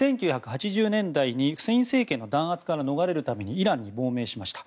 １９８０年代にフセイン政権の弾圧から逃れるためにイランに亡命しました。